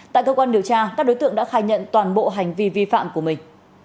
tại cơ quan điều tra các đối tượng đã khai nhận toàn bộ hành vi vi phạm của mình